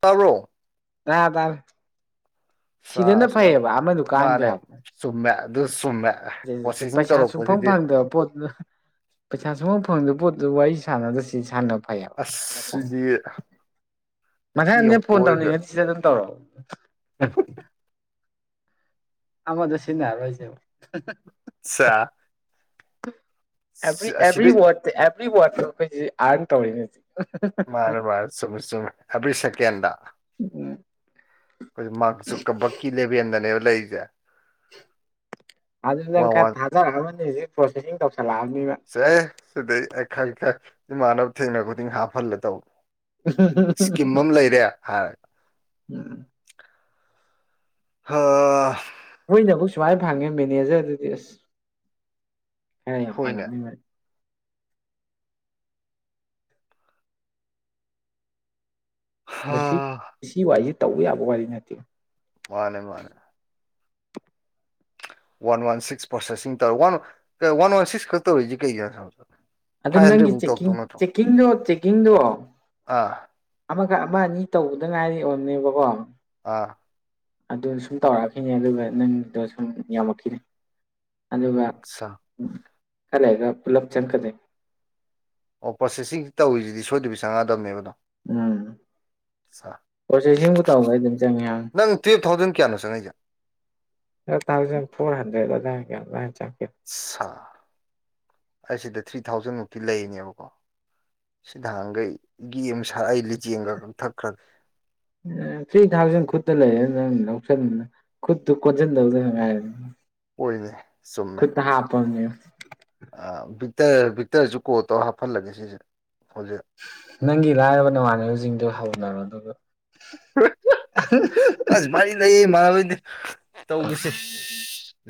ꯇꯔꯣ ꯑ ꯇꯔꯦ ꯁꯤꯤꯗꯦ ꯅ ꯁꯥꯁꯨ ꯌꯥꯝ ꯐꯩꯕ ꯑꯃꯦ ꯗꯨꯀꯥꯟꯗ ꯃꯥꯅꯦ ꯆꯨꯝꯃꯦ ꯑꯗꯨ ꯆꯨꯝꯃꯦ ꯄ꯭ꯔꯣꯁꯦꯁꯤꯡ ꯄꯩꯁꯥ ꯁꯨꯡꯐꯝ ꯇꯧꯔꯛꯄꯁꯤꯗꯤ ꯐꯪꯗꯕ ꯄꯣꯠꯇ ꯄꯩꯁꯥ ꯁꯨꯡꯐꯝ ꯐꯪꯗꯕ ꯄꯣꯠꯇꯨ ꯋꯥꯔꯤ ꯁꯥꯟꯅꯗꯁꯤ ꯁꯥꯟꯅꯕ ꯐꯩꯕ ꯑꯁ ꯁꯤꯗꯤ ꯅꯨꯄꯤ ꯃꯊꯪꯅꯦ ꯑꯃ ꯐꯣꯟ ꯀꯣꯏꯔꯒ ꯇꯧꯅꯤꯡꯉꯗꯤ ꯁꯤꯗ ꯑꯗꯨꯝ ꯇꯧꯔꯛꯑꯣ ꯑꯃꯗ ꯁꯤꯅꯔ ꯑꯣꯏꯁꯕ ꯑ ꯚꯔꯤ ꯑꯦꯚꯔꯤ ꯋꯥ ꯑꯦꯚꯔꯤ ꯋꯥꯣꯏ ꯑꯔꯟ ꯇꯧꯔꯔꯤ ꯅ ꯃꯥꯔ ꯃꯥꯔ ꯁꯃꯦ ꯁꯃꯦ ꯑꯕꯤ ꯁꯀꯗ ꯎꯝ ꯑꯩꯈꯣꯏ ꯃꯥꯁꯨ ꯀꯕꯛꯀꯤ ꯂꯦꯚꯦꯟꯗꯅꯦꯕ ꯂꯩꯔꯤꯁꯦ ꯋꯥꯟ ꯋꯥꯟ ꯈ ꯍꯖ ꯄꯣꯦ ꯇ ꯁꯦ ꯁꯤꯗꯤꯩ ꯑꯩ ꯈꯪ ꯈ ꯏꯃꯥꯟꯅꯕ ꯊꯦꯡꯅꯕ ꯈꯨꯗꯤꯡ ꯍꯥꯞꯍꯜꯂꯦ ꯇꯧꯕ ꯏꯁꯀꯤꯝ ꯑꯃ ꯂꯩꯔꯦ ꯍꯥꯏ ꯑ ꯍꯣꯏ ꯅꯕꯨꯨ ꯁꯨꯃꯥꯏ ꯐꯥꯉꯦ ꯃꯤꯦꯅꯤꯖꯦ ꯑꯗꯨꯗꯤꯁ ꯍꯦ ꯌꯥꯝ ꯍꯣꯏꯅꯦ ꯐꯒꯝ ꯑꯗ ꯍꯥ ꯁꯤ ꯁꯤ ꯋꯥꯔꯤꯁꯤꯦ ꯇꯧꯕ ꯌꯥꯕ ꯋꯥꯔꯤꯗꯤ ꯅꯠꯇꯦ ꯃꯥꯅꯦ ꯃꯥꯅꯦ ꯋꯥꯟ ꯋꯥꯟ ꯁꯤꯛꯁ ꯄ꯭ꯔꯣꯁꯦꯁꯤꯡ ꯇꯧꯔ ꯋꯥ ꯋꯥꯟ ꯋꯥꯟ ꯁꯤꯛꯁ ꯈꯛꯇ ꯇꯧꯔꯤꯁꯤꯦ ꯀꯩꯒꯤ ꯑꯗꯨꯝ ꯅꯪꯒꯤ ꯆꯀꯤꯡ ꯆꯦꯛꯀꯤꯡꯗꯣ ꯆꯦꯛꯀꯤꯡꯗꯣ ꯑꯥ ꯑꯃꯒ ꯑꯃ ꯑꯅꯤ ꯇꯧꯕꯗ ꯉꯥꯏꯔꯤ ꯑꯣꯅꯦꯕꯀꯣ ꯑꯥ ꯑꯗꯨ ꯁꯨꯝ ꯇꯧꯔꯛꯑꯈꯤꯅꯦ ꯑꯗꯨꯒ ꯅꯪꯗꯣ ꯁꯨꯝ ꯌꯥꯝꯃꯛꯈꯤꯅꯦ ꯑꯗꯨꯒ ꯑꯠꯁꯥ ꯎ ꯈꯔꯒ ꯄꯨꯂꯞ ꯆꯪꯀꯗꯦ ꯑꯣ ꯄ꯭ꯔꯣꯁꯦꯁꯤꯡꯁꯤ ꯇꯧꯔꯤꯁꯤꯗꯤ ꯁꯣꯏꯗꯕꯤ ꯆꯪꯉꯛꯗꯕꯅꯦꯕꯗꯣ ꯎꯝ ꯄꯣꯆꯦꯁꯤꯡꯕꯨ ꯇꯧꯕ ꯑꯩ ꯑꯗꯨꯝ ꯆꯪꯉꯤꯍ ꯅꯪ ꯇꯨꯌꯦꯜꯞ ꯊꯥꯎꯖꯟ ꯀꯌꯥꯅꯣ ꯆꯪꯉꯛꯏꯁꯦ ꯊꯥꯎꯖꯟ ꯐꯣꯔ ꯍꯟꯗ꯭ꯔꯦꯗ ꯆ ꯁ ꯑꯩ ꯁꯤꯗ ꯊ꯭ꯔꯤ ꯊꯥꯎꯖꯟ ꯃꯨꯛꯇꯤ ꯂꯩꯔꯤꯅꯦꯕꯀꯣ ꯁꯤꯗꯥꯟꯈꯩꯒꯤ ꯑꯃꯨꯛ ꯁꯥ ꯑꯩ ꯂꯤꯆꯦꯡꯒ ꯀꯛꯊꯠꯈ꯭ꯔꯒꯦ ꯊ꯭ꯔꯤ ꯊꯥꯎꯖꯟ ꯈꯨꯠꯇ ꯂꯩ ꯈꯨꯨ ꯈꯗ ꯍꯥꯏ ꯑꯣꯏꯅꯦ ꯆꯨꯝꯃꯦ ꯚꯛꯇꯔ ꯚꯕꯤꯛꯇꯔꯁꯨ ꯀꯣ ꯇꯧꯔ ꯍꯥꯞꯍꯜꯂꯒꯦ ꯁꯤꯁꯦ ꯍꯧꯖꯤꯛ ꯅꯪꯒꯤ ꯂꯥꯏꯔꯕ ꯅꯃꯥꯟꯅꯕꯁꯤꯡꯗꯨꯣ ꯍꯧꯅꯔꯣ ꯑꯗꯨꯒ ꯑꯁ ꯃꯥꯔꯤ ꯂꯩ ꯃꯥꯔ ꯇꯧꯒꯁꯦ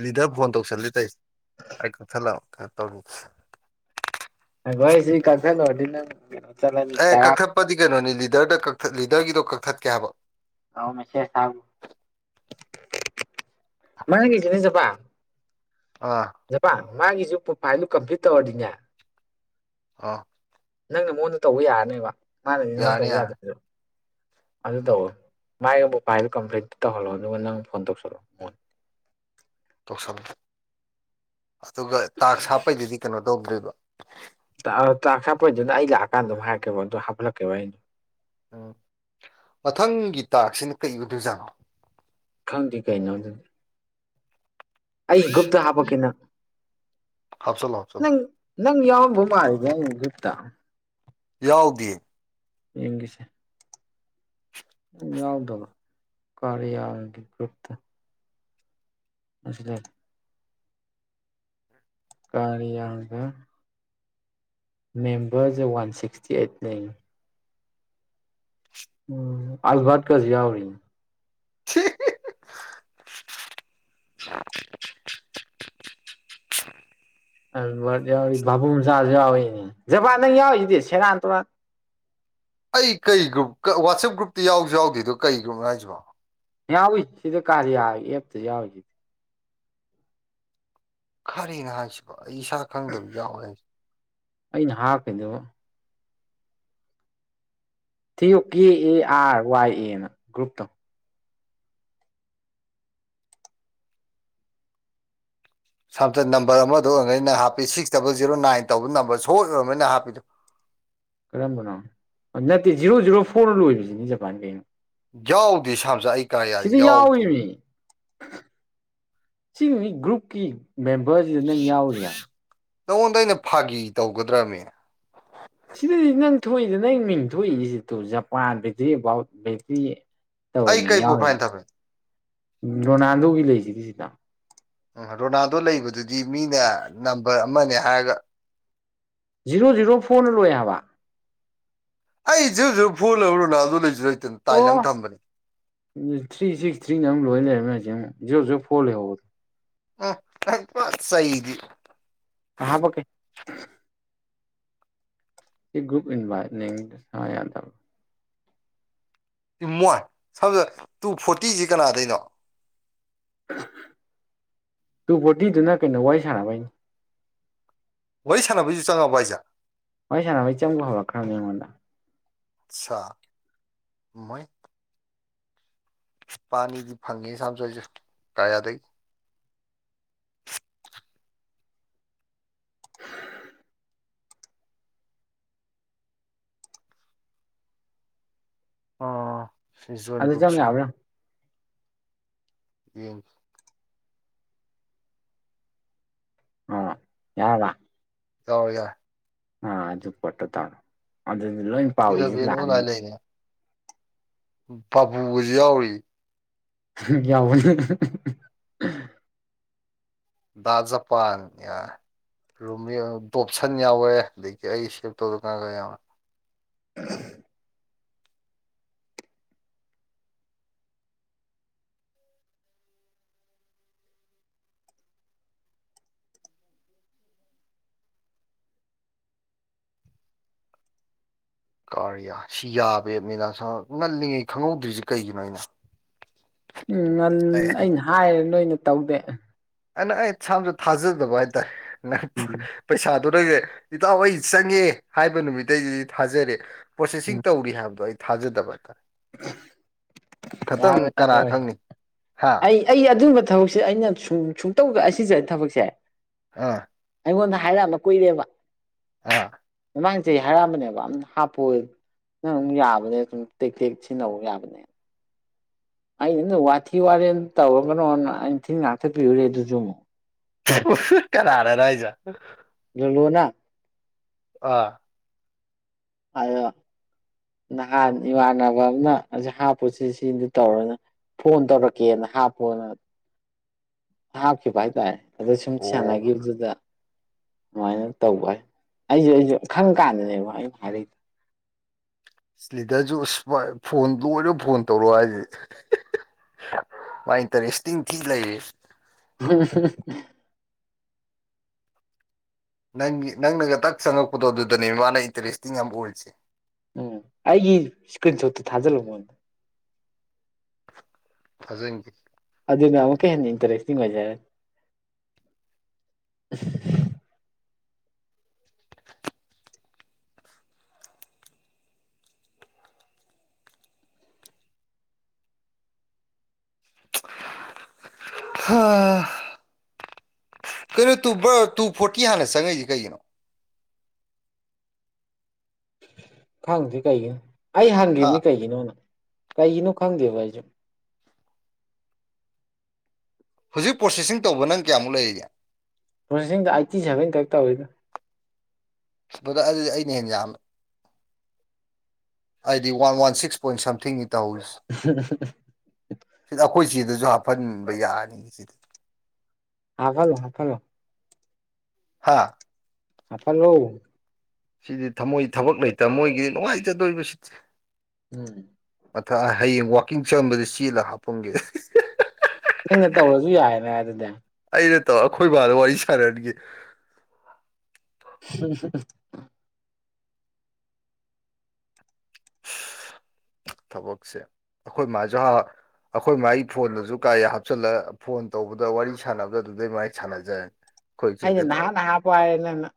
ꯂꯤꯗꯔ ꯐꯣꯟ ꯇꯧꯁꯜꯂꯤ ꯇꯩꯁꯦ ꯑꯩ ꯀꯛꯊꯜꯂꯑꯣ ꯀꯩꯅꯣ ꯇꯧꯒ ꯒꯣꯏ ꯁꯤ ꯀꯜ ꯐ ꯑꯦ ꯀꯛꯊꯠꯄꯗꯤ ꯀꯩꯅꯣꯅꯤ ꯂꯤꯗꯔꯗ ꯀꯛ ꯂꯤꯗꯔꯒꯤꯗꯣ ꯀꯛꯊꯠꯀꯦ ꯍꯥꯏꯕ ꯉꯥꯎ ꯃꯁꯦꯁꯕ ꯃꯥꯥꯏ ꯆ ꯆꯕ ꯑꯥ ꯖꯕ ꯃꯥꯒꯤꯁꯨ ꯐꯥꯏꯂ ꯀꯝꯄ꯭ꯂꯤꯠ ꯇꯧꯔꯔꯤꯅꯦ ꯑꯥ ꯅꯪꯅ ꯃꯉꯣꯟꯗ ꯇꯧꯕ ꯌꯥꯔꯅꯦꯕ ꯃꯥꯅꯗꯤ ꯅꯪꯉꯣꯟꯗ ꯌꯥꯔꯦ ꯇꯧꯕ ꯌꯥꯔꯦ ꯌꯥꯗꯕꯗꯣ ꯑꯗꯨ ꯇꯧꯣ ꯃꯥꯏꯒꯕꯨ ꯄꯥꯏꯕ ꯀꯝꯄ꯭ꯂꯦꯟꯇ ꯇꯧꯍꯜꯂꯣ ꯑꯗꯨꯒ ꯅꯪ ꯐꯣꯟ ꯇꯧꯁꯜꯂꯛꯑꯣ ꯃꯣꯟ [unintelligible] ꯇꯁꯝꯗ ꯑꯗꯨꯒ ꯇꯥꯛ ꯁꯥꯞꯄꯩꯗꯗꯤ ꯀꯩꯅꯣ ꯇꯧꯗ꯭ꯣꯏꯕ ꯇ ꯍꯥꯞꯄꯩꯗꯨꯅ ꯑꯩ ꯂꯥꯛꯑꯀꯥꯟꯗꯝ ꯍꯥꯔꯛꯦꯕ ꯑꯗꯨꯗꯣ ꯍꯥꯞꯠꯂꯛꯀꯦꯕ ꯑꯩꯅꯣ ꯎꯝ ꯃꯊꯪꯒꯤ ꯇꯥꯛꯁꯤꯅ ꯀꯩ ꯑꯣꯏꯗꯨꯖꯥꯅꯣ ꯈꯪꯗꯦ ꯀꯩꯅꯣ ꯑꯗꯨꯗꯤ ꯑꯩ ꯒꯨꯞꯇ ꯍꯥꯄꯛꯀꯤꯅ ꯍꯥꯞꯆꯜꯂꯣ ꯍꯥꯞꯆꯜꯂꯣ ꯅꯪ ꯅꯪ ꯌꯥꯎ ꯣꯃꯠꯇ ꯌꯥꯎꯗꯦ ꯌꯦꯡꯒꯤꯁꯦ ꯌꯥꯎꯗꯕ ꯀꯔꯤꯌꯥꯒꯤ ꯒ꯭ꯔꯨꯞꯇ ꯁꯗꯦ ꯀꯔꯤ ꯌꯥꯒ ꯃꯦꯝꯕꯔꯁ ꯋꯥꯟ ꯁꯤꯛꯁꯇꯤ ꯑꯩꯠ ꯂꯩ ꯎꯝ ꯑꯜꯕꯥꯠ ꯀꯖꯤꯌꯥꯔꯤ [unintelligible] ꯌꯥꯎꯔꯤ ꯚꯥꯕꯨꯡ ꯃꯆꯥꯁꯨ ꯌꯥꯎꯋꯅꯦ ꯖꯄꯥꯟꯗꯪ ꯌꯥꯎꯏꯁꯤꯗꯤ ꯁꯦꯔꯥꯟ ꯇꯨꯔꯥꯟ ꯑꯩ ꯀꯩ ꯒ꯭ꯔꯨꯞ ꯋꯥꯆꯦꯞ ꯒ꯭ꯔꯨꯞꯇ ꯌꯥꯎꯁꯨ ꯌꯥꯎꯗꯦꯗꯣ ꯀꯩ ꯒ꯭ꯔꯨꯞꯅ ꯍꯥꯏꯥꯏꯁꯤꯕꯣ ꯥꯎ ꯁꯤꯗ ꯀꯥꯔꯤ ꯑꯦ ꯊꯖꯁꯤ ꯈꯔꯦꯅ ꯍꯥꯏꯁꯤꯕ ꯑꯩ ꯏꯁꯥ ꯈꯪꯗꯕ ꯌꯥꯎꯋꯦ ꯍꯥꯏꯁꯦ ꯑꯩꯅ ꯍꯥꯞꯀꯩꯗꯣ ꯊꯤꯌꯨ ꯀꯦ ꯑꯦ ꯑꯥꯔ ꯋꯥꯏ ꯑꯦꯅ ꯒ꯭ꯔꯨꯞꯇꯣ ꯁꯝꯇꯟ ꯅꯝꯕꯔ ꯑꯃꯗ ꯑꯣꯏꯔꯩꯅ ꯍꯥꯞꯄꯤ ꯁꯤꯛꯁ ꯗꯕꯜ ꯖꯤꯦꯔꯣ ꯅꯥꯏꯟ ꯇꯧꯕ ꯅꯝꯕꯔ ꯁꯣꯏ ꯑꯣꯏꯔꯕꯅꯤꯅ ꯍꯥꯞꯄꯤꯗꯨꯣ [unintelligible] ꯀꯔꯝꯕꯅꯣ ꯅꯠꯇꯦ ꯖꯤꯔꯣ ꯖꯤꯔꯣ ꯐꯣꯔ ꯂꯣꯏꯕꯁꯤꯅꯤ ꯖꯄꯥꯟ ꯀꯩꯅꯣ ꯌꯥꯎꯗꯦ ꯁꯥꯥꯝꯁꯨ ꯑꯩ ꯀꯔꯌꯥꯗ ꯁꯤꯗꯤ ꯌꯥꯎꯗꯦ ꯌꯥꯎꯏꯅꯦ ꯁꯤ ꯃꯤ ꯒ꯭ꯔꯨꯞꯀꯤ ꯃꯦꯝꯕꯔꯁꯤꯗ ꯅꯪ ꯌꯥꯎꯔꯤꯌꯦꯕ ꯅꯉꯣꯟꯗ ꯑꯩꯅ ꯐꯥꯒꯤ ꯇꯧꯒꯗ꯭ꯔꯕꯅꯦ ꯊ ꯊꯣꯛꯏꯗꯅ ꯃꯤꯡꯊꯣꯛꯏꯁꯤ ꯇ ꯖꯄꯥꯟ ꯕꯩꯇ꯭ꯔꯤ ꯑꯦꯕꯥꯎꯠ ꯕꯩꯇ꯭ꯔꯤ ꯑꯩ ꯀꯩꯕꯨꯣ ꯐꯥꯏꯅ ꯊꯕꯦ ꯎꯝ ꯔꯣꯅꯥꯜꯗꯣꯒꯤ ꯂꯩꯁꯤꯗꯤ ꯁꯤꯗ ꯎꯝ ꯔꯣꯅꯥꯜꯗꯣ ꯂꯩꯕꯗꯨꯗꯤ ꯃꯤꯅ ꯅꯝꯕꯔ ꯑꯃꯅꯦ ꯍꯥꯏꯔꯒ ꯖꯤꯔꯣ ꯖꯤꯔꯣ ꯐꯣꯔꯅ ꯂꯣꯏ ꯍꯥꯏꯕ ꯑꯩꯁꯨꯁꯨ ꯐꯨꯜ ꯍꯔ ꯂꯅꯥ ꯑꯗꯨ ꯂꯩ ꯑꯣ ꯊ꯭ꯔꯤ ꯁꯤꯛꯁ ꯊ꯭ꯔꯤꯅ ꯑꯃꯨꯛ ꯂꯣꯏ ꯂꯩꯔꯝꯃꯤꯃꯦꯁ ꯑꯃꯨꯛ ꯖꯤꯔꯣ ꯖꯤꯔꯣ ꯐꯣꯔ ꯂꯩꯍꯧꯕꯅꯤ ꯑꯣ ꯑ‌ꯣ ꯄ ꯆꯩꯗꯤ ꯑꯥ ꯍꯥꯞꯄꯛꯀꯦ ꯑꯟꯏꯟꯇꯦꯜꯂꯤꯖꯦꯕꯜ ꯇꯝ ꯋꯥꯟ ꯁꯗ ꯇꯨ ꯐꯣꯔꯇꯤꯁꯤ ꯀꯅꯥꯗꯩꯅꯣ ꯇꯨ ꯐꯣꯔꯇꯤꯗꯨꯅ ꯀꯩꯅꯣ ꯋꯥꯔꯤ ꯁꯥꯟꯅꯕꯩꯅꯤ ꯋꯥꯔꯤ ꯁꯥꯟꯅꯕꯩꯁꯨ ꯆꯪꯉꯑꯕꯣ ꯍꯥꯏꯁꯦ ꯋꯥꯔꯤ ꯁꯥꯟꯅꯕꯩ ꯆꯪꯕ ꯍꯧꯔꯛ ꯈ꯭ꯔꯝꯅꯤ ꯑꯩꯉꯣꯟꯗ ꯁꯥ ꯃꯣꯏ ꯄꯅꯤꯗꯤ ꯐꯪꯉꯤ ꯁꯝꯁꯣꯏ ꯀꯥꯌꯥꯗ ꯑꯟꯏꯟꯇꯦꯜꯂꯤꯖꯦꯕꯜ ꯑꯣ ꯑꯗꯨ ꯆꯪ ꯁꯤꯖꯟꯒꯨꯞꯆꯁꯦ ꯌꯥꯕ꯭ꯔꯥ ꯌꯦꯡꯁ ꯑ ꯌꯥꯔꯕ ꯌꯥꯎꯔꯦ ꯌꯥꯎꯔꯦ ꯑꯥ ꯑꯗꯨ ꯄꯣꯠꯇꯣ ꯇꯧꯔꯣ ꯑꯗꯨꯅꯤ ꯂꯣꯏ ꯄꯥꯎꯏꯁꯤ ꯏꯂꯚꯦꯟ ꯂꯥꯛꯑꯅꯤ ꯍꯧꯖꯤꯛ ꯕꯥꯥꯕꯨꯖꯨ ꯌꯥꯎꯔꯤꯌꯦ ꯐꯝꯍꯝ ꯌꯥꯎꯕꯅꯤ ꯕꯥ ꯥꯖ ꯄ ꯅ ꯌꯥ ꯔꯣꯝꯃꯤꯌꯣ ꯗꯣꯞꯁꯟ ꯌꯥꯎꯋꯦ ꯑꯗꯒꯤ ꯑꯩ ꯁꯦꯞ ꯇꯧꯗ ꯀꯅꯥ ꯀꯅꯥ ꯌꯥꯎꯋꯦ ꯑꯝ ꯀꯥꯔꯤꯌꯥ ꯁꯤ ꯌꯥꯕꯦ ꯃꯤꯂꯁ ꯉꯜꯂꯤꯉꯩ ꯈꯪꯍꯧꯗ꯭ꯔꯤꯁꯦ ꯀꯩꯒꯤꯅꯣ ꯑꯩꯅ ꯑꯟꯑꯣꯗꯤꯕꯜ ꯎꯝ ꯉꯟ ꯑꯩꯅ ꯍꯥꯏꯔꯦ ꯅꯣꯏꯅ ꯇꯧꯗꯦ ꯑꯩꯅ ꯑꯩ ꯊꯥꯁꯨ ꯊꯥꯖꯗꯕ ꯍꯥꯏꯇꯥꯔꯦ ꯅꯪ ꯎꯝ ꯄꯩꯁꯥꯗꯨ ꯑꯗꯨꯗꯩꯁꯦ ꯏꯇꯥꯎ ꯑꯩ ꯆꯪꯉꯦ ꯍꯥꯏꯕ ꯅꯨꯃꯤꯠꯇꯩꯗꯤ ꯊꯥꯖꯔꯦ ꯄ꯭ꯔꯣꯁꯦꯁꯤꯡ ꯎꯝ ꯇꯧꯔꯤ ꯍꯥꯏꯕꯗꯣ ꯑꯩ ꯊꯥꯖꯗꯕ ꯍꯥꯏꯇꯥꯔꯦ ꯈꯇꯪ ꯌꯥꯔꯣꯏ ꯀꯅꯥ ꯌꯥꯔꯣꯏ ꯈꯪꯅꯤ ꯍꯥ ꯑꯩ ꯑꯩ ꯑꯗꯨ ꯃꯇꯨꯡ ꯊꯕꯛꯁꯦ ꯑꯩꯅ ꯁꯨꯡ ꯁꯨꯡꯇꯧꯗ ꯑꯩ ꯁꯤꯁꯦ ꯊꯕꯛꯁꯦ ꯑꯥ ꯑꯩꯉꯣꯟꯗ ꯍꯥꯏꯔꯛꯑꯝꯕ ꯀꯨꯏꯔꯦꯕ ꯑꯥ ꯃꯃꯥꯡ ꯆꯍꯤ ꯍꯥꯏꯔꯛꯑꯝꯕꯅꯦꯕ ꯑꯝ ꯍꯥꯞꯄꯣꯏ ꯅꯪ ꯑꯗꯨꯝ ꯌꯥꯕꯅꯦ ꯁꯨꯝ ꯇꯦꯛꯇꯦꯛ ꯁꯤꯖꯤꯟꯅꯧ ꯌꯥꯕꯅꯦ ꯑꯩ ꯅ ꯅꯣꯏ ꯋꯥꯊꯤ ꯋꯥꯔꯦꯝ ꯇꯧꯔꯛꯀꯅꯣꯅ ꯑꯩꯟ ꯊꯤꯟ ꯉꯥꯛꯊꯠ ꯄꯤꯔꯨꯔꯦ ꯑꯗꯨꯁꯨ ꯑꯃꯨꯛ ꯀꯅꯥꯗꯅꯣ ꯍꯥꯏꯖꯦ ꯀꯩꯅꯣꯅ ꯑꯥ ꯍꯥꯏꯌꯣ ꯅꯍꯥꯟ ꯏꯃꯥꯟꯅꯕ ꯑꯃꯅ ꯑꯁꯤ ꯍꯥꯞꯄꯨꯁꯤ ꯁꯤꯗꯨ ꯇꯧꯔꯅ ꯐꯣꯟ ꯇꯧꯔꯛꯀꯦꯅ ꯍꯥꯥ ꯐꯣꯟ ꯑꯅ ꯍꯥꯞꯈꯤꯕ ꯍꯥꯏ ꯇꯥꯏ ꯑꯗ ꯁꯨꯝ ꯑꯣ ꯁꯥꯟꯅꯒꯤꯕꯗꯨꯗ ꯑꯗꯨꯃꯥꯏꯅ ꯇꯧꯕ ꯍꯥꯏ ꯑꯩꯁꯨ ꯑꯩꯁꯨ ꯈꯪ ꯀꯥꯟꯗꯅꯦꯕ ꯑꯩꯟ ꯊꯥꯔꯛꯏꯗꯨ ꯁꯤ ꯂꯤꯗꯔꯁꯨ ꯑꯁ ꯐꯣꯟ ꯂꯣꯏꯔ ꯐꯣꯟ ꯇꯧꯔꯣ ꯍꯥꯏꯁꯤ ꯃꯥ ꯏꯟꯇꯔꯦꯁꯇꯤꯡ ꯊꯤ ꯂꯩꯔꯤꯌꯦ ꯑꯝꯍꯝꯍꯝꯍꯝ ꯅꯪꯒꯤ ꯅꯪꯅꯒ ꯇꯛ ꯆꯪꯉꯛꯄꯗꯣ ꯑꯗꯨꯗꯅꯦ ꯃꯥꯅ ꯏꯟꯇꯔꯦꯁꯇꯤꯡ ꯌꯥꯝ ꯑꯣꯏꯔꯤꯁꯦ ꯎꯝ ꯑꯩꯒꯤ ꯏꯁꯀ꯭ꯔꯤꯟ ꯁꯣꯠꯇꯨ ꯊꯥꯖꯜꯂꯨ ꯃꯣꯟꯗ ꯊꯥꯖꯟꯒꯦ ꯑꯗꯨꯅ ꯑꯃꯨꯛꯀ ꯍꯦꯟꯅ ꯏꯟꯇꯔꯦꯁꯇꯤꯡ ꯑꯣꯏꯖꯔꯅꯤ [inaudible] ꯍꯥ ꯀꯩꯅꯣ ꯇ ꯇꯨ ꯐꯣꯔꯇꯤ ꯍꯥꯟꯅ ꯆꯪꯉꯛꯏꯁꯤ ꯀꯩꯒꯤꯅꯣ ꯈꯪꯗꯗ꯭ꯦ ꯀꯩꯒꯤꯅꯣ ꯑꯩ ꯍꯥ ꯍꯪꯈꯤꯕꯅꯤ ꯀꯩꯒꯤꯅꯣꯅ ꯀꯥꯏ ꯏꯅꯨ ꯈꯥꯡꯪꯗꯦ ꯄꯖꯦ ꯍꯧꯖꯤꯛ ꯄ꯭ꯔꯣꯁꯦꯁꯤꯡ ꯇꯧꯕ ꯅꯪ ꯀꯌꯥꯃꯨꯛ ꯂꯩꯔꯤꯦ ꯄ꯭ꯔꯣꯁꯦꯗ ꯑꯥꯏꯠꯇꯤ ꯁꯦꯚꯦꯟꯗ ꯇꯧꯔꯤꯗ ꯑꯗꯨꯗ ꯑꯗꯨꯗꯤ ꯑꯩꯅ ꯍꯦ ꯌꯥꯝꯅ ꯑꯩꯗꯤ ꯋꯥꯟ ꯋꯥꯟ ꯁꯤꯛꯁ ꯄꯣꯏꯟ ꯁꯝꯊꯤꯡꯅꯤ ꯇꯧ ꯁꯤꯗ ꯑꯩꯈꯣꯏ ꯁꯤꯗꯁꯨ ꯍꯥ ꯐꯟꯕ ꯌꯥꯅꯤ ꯁꯤꯗꯤ ꯍꯥ ꯐꯂꯣ ꯍꯥ ꯐꯂꯣ ꯍꯥꯥ ꯑ ꯂꯣꯎ ꯁꯤꯗꯤ ꯊꯃꯣꯏ ꯊꯕꯛ ꯂꯩꯇꯕ ꯃꯣꯏꯒꯤꯗꯤ ꯅꯨꯡꯉꯥꯏꯖꯗꯣꯏꯕꯁꯤꯗꯤ ꯎꯝ ꯃꯊ ꯍꯌꯦꯡ ꯋꯥꯛꯀꯤꯡ ꯆꯠꯔꯝꯕꯗ ꯆꯦꯜꯂꯒ ꯍꯥꯞꯄꯒꯦ ꯅꯪꯅ ꯇꯧꯔꯁꯨ ꯌꯥꯏꯅꯦ ꯑꯗꯨꯗꯤ ꯑꯩꯅ ꯇꯧ ꯑꯩꯈꯣꯏꯕꯥꯗ ꯋꯥꯔꯤ ꯁꯥꯟꯅꯟꯒꯦ ꯍ ꯊꯕꯛꯁꯦ ꯑꯩꯈꯣꯏ ꯃꯖꯥ ꯑꯩꯈꯣꯏ ꯃꯥꯒꯤ ꯐꯣꯟꯗꯁꯨ ꯀꯥ ꯍꯥꯞꯆꯤꯜꯂ ꯐꯣꯟ ꯇꯧꯕꯗ ꯋꯥꯔꯤ ꯁꯥꯟꯅꯕꯗ ꯑꯗꯨꯗꯩ ꯃꯥꯒꯤ ꯁꯥꯟꯅꯖꯔꯦ ꯑꯩꯗ ꯅꯥꯟ ꯍꯥꯄꯅꯅ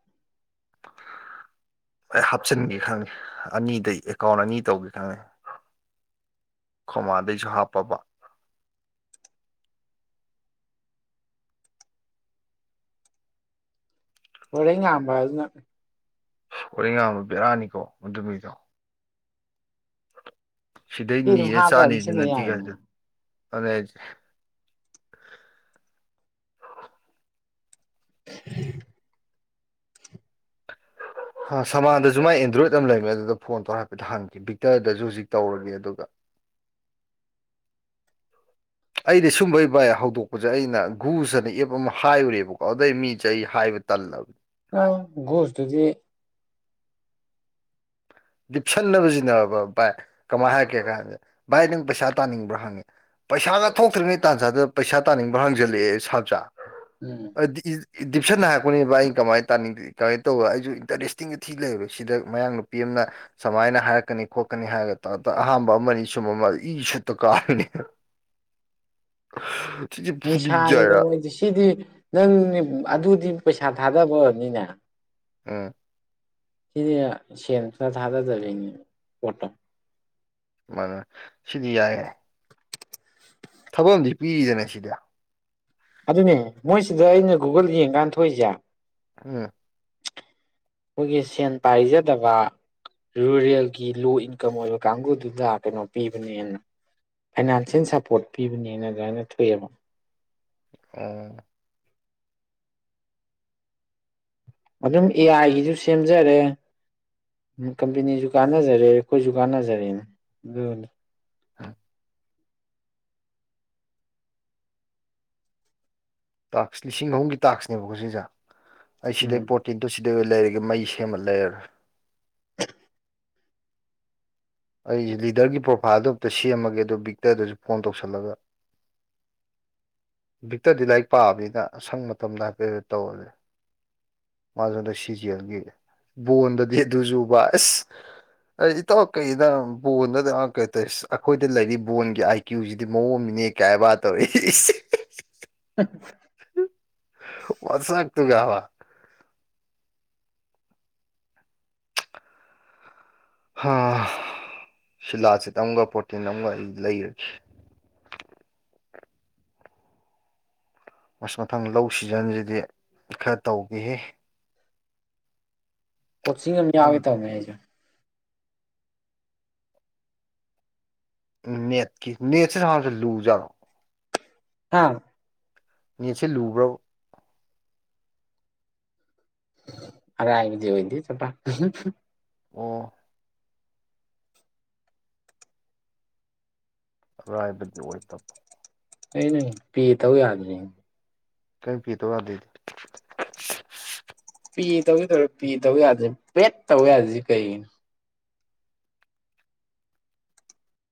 ꯑꯩ ꯍꯥꯞꯆꯤꯟꯒꯦ ꯈꯪꯉꯦ ꯑꯅꯤꯗꯩ ꯑꯦꯀꯥꯎꯟ ꯑꯅꯤ ꯇꯧꯒꯦ ꯈꯪꯉꯤ ꯈꯃꯥꯗꯦꯖꯍꯥ ꯄꯕꯥ ꯄꯨ ꯉꯕ ꯍꯣꯔꯦꯟ ꯉꯥꯕ ꯕꯤꯦꯔꯥꯅꯤꯀꯣ ꯃꯗꯨꯃꯤꯗꯣ ꯁꯤꯗꯩ ꯁꯤ ꯑꯗꯨꯝ ꯅꯤꯔꯦ ꯍꯥꯞꯄ ꯑꯗꯨꯝ ꯆꯥꯅꯤꯁꯨ ꯁꯤꯖꯤꯟꯅ ꯅ ꯌꯥꯏꯅ ꯀꯁꯨ ꯎꯝ ꯎ ꯁꯃꯥꯟꯗꯁꯨ ꯃꯥꯏ ꯑꯦꯟꯗ꯭ꯔꯣꯏꯗ ꯑꯃ ꯂꯩꯃꯦ ꯑꯗꯨꯗ ꯐꯣꯟ ꯇꯧꯔꯒ ꯍꯥꯏꯐꯦꯠꯇ ꯍꯪꯈꯤ ꯕꯤꯛꯇꯔꯗꯁꯨ ꯍꯧꯖꯤꯛ ꯇꯧꯔꯒꯦ ꯑꯗꯨꯒ [inaudible] ꯑꯩꯗꯤ ꯁꯨꯝꯕꯩ ꯕꯥꯏ ꯍꯧꯗꯣꯛꯄꯁꯦ ꯑꯩꯅ ꯒꯨꯁ ꯑꯅ ꯑꯦꯞ ꯑꯃ ꯍꯥꯏꯔꯨꯔꯦꯕꯀꯣ ꯑꯗꯩ ꯃꯤꯁꯦ ꯑꯩ ꯍꯥꯏ ꯇꯜ ꯑ ꯨꯁꯇꯗꯤ ꯞꯁꯟꯅꯖꯤꯅꯦꯕ ꯚꯥꯏ ꯀꯃꯥꯏꯅ ꯍꯥꯏꯔꯛꯀꯦ ꯀꯥꯏꯁꯦ ꯚꯥꯏ ꯅꯪ ꯄꯩꯁꯥ ꯇꯥꯅꯤꯡꯕ꯭ꯔꯥ ꯍꯪꯉꯤ ꯄꯩꯁꯥꯒ ꯊꯣꯛꯇ꯭ꯔꯤꯉꯩ ꯇꯥꯟꯖꯥꯗ ꯄꯩꯁꯥ ꯇꯥꯅꯤꯡꯕ꯭ꯔꯥ ꯍꯥꯡꯖꯜꯂꯛꯑꯦ ꯎꯝ ꯁꯥꯖꯥꯗꯤ ꯗꯤꯞꯁꯟꯅ ꯍꯥꯥꯛꯄꯅꯦꯕ ꯑꯩꯩꯅ ꯀꯃꯥꯏꯅ ꯇꯥꯅꯤꯡꯗꯦ ꯀꯃꯥꯏꯅ ꯇꯧꯕ ꯑꯩꯁꯨ ꯏꯟꯇꯔꯦꯁꯇꯤꯡꯒ ꯊꯤ ꯂꯩꯕ ꯁꯤꯗ ꯃꯌꯥꯡ ꯅꯨꯄꯤ ꯑꯃꯅ ꯁꯨꯃꯥꯏꯅ ꯍꯥꯏꯔꯛꯀꯅꯤ ꯈꯣꯠꯀꯅꯤ ꯍꯥꯏꯔꯒ ꯇꯥ ꯑꯍꯥꯟꯕ ꯑꯃꯅꯤ ꯁꯨꯝꯕ ꯑꯃ ꯏ ꯁꯨꯠꯇ ꯀꯥꯕꯅꯤ [inaudible] ꯅꯤꯁꯥꯅꯤꯗ ꯃꯣꯏꯗꯤ ꯁꯤꯗꯤ ꯅꯪꯅꯤ ꯑꯗꯨꯗꯤ ꯄꯩꯁꯥ ꯊꯥꯗꯕꯅꯤꯅ ꯑꯥ ꯁꯤꯅꯤ ꯁꯦꯟ ꯁꯅ ꯊꯥꯗꯗ ꯄꯠꯇꯣ ꯃꯥꯅ ꯁꯤꯗꯤ ꯌꯥꯏꯌꯦꯦ ꯊꯕꯛ ꯑ ꯄꯤꯔꯤꯗꯅ ꯁꯤꯗ ꯑꯗꯨꯅꯦ ꯃꯣꯏꯁꯤꯗ ꯑꯩꯅ ꯒꯨꯒꯜ ꯌꯦꯡꯀꯥꯟ ꯊꯣꯛꯏꯁꯦ ꯎꯝ ꯑꯩꯈꯣꯏꯒꯤ ꯁꯦꯟ ꯄꯥꯏꯖꯗꯕ ꯔꯨꯔꯦꯜꯒꯤ ꯂꯣ ꯏꯟꯀꯝ ꯑꯣꯏꯕ ꯀꯥꯡꯕꯨꯗꯨꯗ ꯀꯩꯅꯣ ꯄꯤꯕꯅꯦ ꯍꯦꯅ ꯐꯥꯏꯅꯥꯟꯁꯤꯌꯦꯜ ꯁꯞꯄꯣꯔꯠ ꯄꯤꯕꯅꯦꯅ ꯑꯗꯨꯃꯥꯏꯅ ꯊꯣꯛꯑꯦꯕ ꯑꯥ ꯑꯗꯨꯝ ꯑꯦ ꯑꯥꯏꯒꯤꯁꯨ ꯁꯦꯝꯖꯔꯦ ꯎꯝ ꯀꯝꯄꯦꯅꯤꯁꯨ ꯀꯥꯟꯅꯖꯔꯦ ꯑꯩꯈꯣꯏꯁꯨ ꯀꯥꯟꯅꯖꯔꯦ [unintelligible] ꯇꯥꯛꯁ ꯂꯤꯁꯤꯡ ꯑꯍꯨꯝꯒꯤ ꯇꯥꯛꯁꯅꯦꯕꯀꯣ ꯁꯤꯁ ꯑꯩ ꯁꯤꯗꯩ ꯎꯝ ꯄ꯭ꯔꯣꯔꯇꯤꯟ ꯇꯣ ꯁꯤꯗ ꯑꯗꯨ ꯂꯩꯔꯒ ꯃꯩ ꯁꯦꯝꯃ ꯂꯩꯔꯔꯦ ꯑꯩꯁꯨ ꯂꯤꯗꯔꯒꯤ ꯄ꯭ꯔꯣꯐꯥꯏꯜꯗꯣ ꯑꯝꯇ ꯁꯦꯝꯃꯒꯦ ꯑꯗꯨꯣ ꯕꯤꯛꯇꯔꯗꯨꯁꯨ ꯐꯣꯟ ꯇꯧꯁꯜꯂꯒ ꯕꯤꯛꯇꯔꯗꯤ ꯂꯥꯏꯔꯤꯛ ꯄꯥꯑꯕꯅꯤꯅ ꯑꯁꯪ ꯃꯇꯝꯗ ꯍꯥꯏꯐꯦꯠ ꯇꯧꯍꯜꯂꯤ ꯃꯥꯖꯗ ꯁꯤꯖꯤꯦꯜꯒꯤ ꯕꯣꯟꯗꯗꯤ ꯑꯗꯨꯖꯨꯕ ꯑꯁ ꯏꯇꯣ ꯀꯩꯗ ꯕꯣꯟꯗ ꯀꯧ ꯑꯩꯈꯣꯏꯗ ꯂꯩꯔꯤꯕ ꯕꯣꯣꯟꯒꯤ ꯑꯥꯏ ꯀ꯭ꯌꯨꯁꯤꯗꯤ ꯃꯑꯣꯡ ꯑꯃꯅꯦ ꯀꯌꯥ ꯍꯥꯏꯕꯗ ꯑꯩ [unintelligible] [inaudible] [unintelligible] ꯃꯁꯛꯇꯨꯒꯕ ꯁꯤꯂꯥꯁꯤꯠ ꯑꯃꯒ ꯄ꯭ꯔꯣꯇꯤꯟ ꯑꯃꯒ ꯑꯩ ꯂꯩꯔꯒꯦ [unintelligible] [inaudible] ꯃꯁ ꯃꯊꯪ ꯂꯧ ꯁꯤꯖꯟꯁꯤꯗꯤ ꯈꯔ ꯇꯧꯈꯤ ꯀꯣꯆꯤꯡ ꯑꯃ ꯌꯥꯎꯋꯦ ꯇꯧꯅꯦ ꯑꯩꯁꯨꯦ ꯅꯦꯠꯀꯤ ꯅꯦꯠꯁꯤ ꯍꯅꯁꯦ ꯂꯨꯖꯔꯣ ꯍꯥ ꯃꯤꯠꯁꯦ ꯂꯨꯕ꯭ꯔꯣ ꯑꯔꯦ ꯍꯥꯏꯕꯗꯤ ꯑꯣꯏꯗꯤ ꯆꯄ ꯑꯣ ꯔꯥꯏꯕ ꯑꯣꯏꯣꯏ ꯇꯄ ꯑꯩꯅ ꯄꯤ ꯇꯧ ꯌꯥꯗꯅꯤ ꯀꯩꯅꯄꯤꯤ ꯇꯋꯥꯗꯗꯤ ꯄꯤ ꯇꯧꯁꯤ ꯇꯧꯔꯦ ꯄꯤ ꯇꯧ ꯌꯥꯗ꯭ꯔꯦ ꯄꯦꯠ ꯇꯧ ꯌꯥꯗꯁꯤ ꯀꯩꯒꯤꯅꯣ